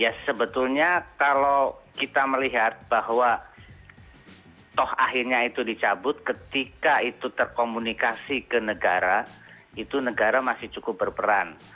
ya sebetulnya kalau kita melihat bahwa toh akhirnya itu dicabut ketika itu terkomunikasi ke negara itu negara masih cukup berperan